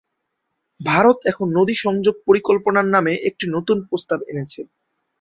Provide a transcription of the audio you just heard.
ভারত এখন নদী সংযোগ পরিকল্পনার নামে একটি নতুন প্রস্তাব এনেছে।